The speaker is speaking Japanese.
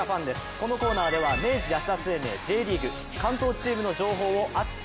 このコーナーでは明治安田生命Ｊリーグ関東チームの情報を熱く！